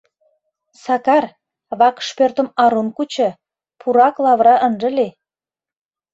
“Сакар, вакш пӧртым арун кучо, пурак-лавыра ынже лий.